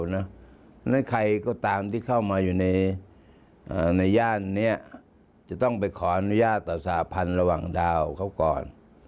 เพราะฉะนั้นใครก็ตามที่เข้ามาอยู่ในย่านนี้จะต้องไปขออนุญาตต่อสหพันธ์ระหว่างดาวเขาก่อน